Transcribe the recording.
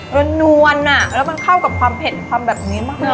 แล้วนวลอ่ะแล้วมันเข้ากับความเผ็ดความแบบนี้มาก